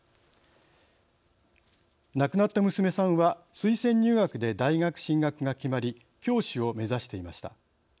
亡くなった娘さんは推薦入学で大学進学が決まり教師を目指していました。